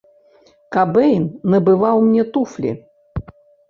Кабэйн набываў мне туфлі.